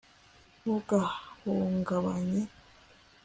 ntugahungabanye